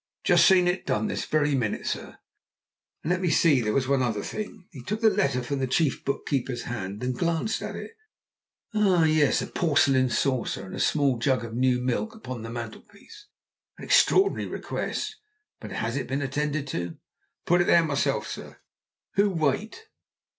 "Just seen it done this very minute, sir." "And let me see, there was one other thing." He took the letter from the chief bookkeeper's hand and glanced at it. "Ah, yes, a porcelain saucer, and a small jug of new milk upon the mantelpiece. An extraordinary request, but has it been attended to?" "I put it there myself, sir." "Who wait?"